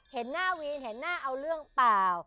เห็นหน้าวีนเห็นหน้าเอาเรื่องเปล่า